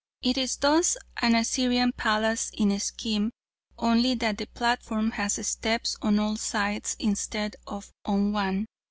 It is thus an Assyrian palace in scheme: only that the platform has steps on all sides, instead of on one.